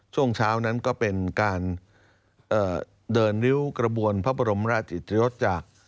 ช่วงเช้านั้นก็เป็นการเดินริ้วกระบวนพระบรมราชอิทธิรศจาก